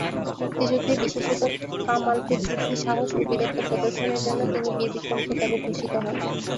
মুক্তিযুদ্ধে বিশেষত কামালপুর যুদ্ধে সাহস ও বীরত্ব প্রদর্শনের জন্য তিনি বীর বিক্রম খেতাবে ভূষিত হন।